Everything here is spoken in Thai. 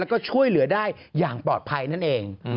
แล้วก็ช่วยเหลือได้อย่างปลอดภัยนั่นเอง